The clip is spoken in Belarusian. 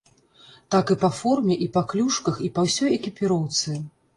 Так і па форме, і па клюшках, і па ўсёй экіпіроўцы.